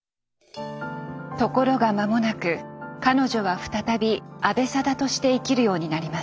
ところが間もなく彼女は再び阿部定として生きるようになります。